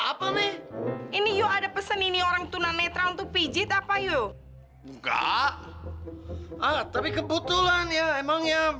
apa nih ini ada pesan ini orang tunanetra untuk pijit apa yuk enggak tapi kebetulan ya emangnya